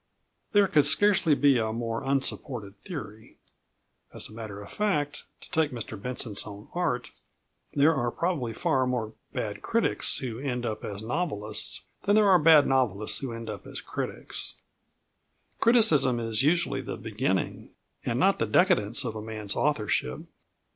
There could scarcely be a more unsupported theory. As a matter of fact, to take Mr Benson's own art, there are probably far more bad critics who end as novelists than bad novelists who end as critics. Criticism is usually the beginning, and not the decadence, of a man's authorship.